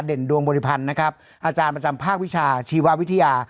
ดวงบริพันธ์นะครับอาจารย์ประจำภาควิชาชีววิทยา